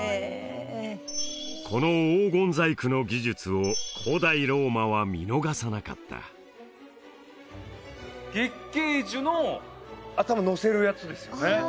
この黄金細工の技術を古代ローマは見逃さなかった月桂樹の頭乗せるやつですよね？